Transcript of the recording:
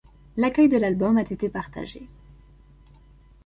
L'accueil de l'album a été partagé.